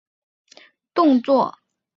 因此可能产生错误的计算及动作。